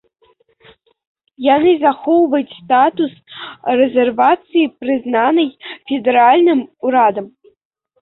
Яны захоўваюць статус рэзервацыі, прызнанай федэральным урадам.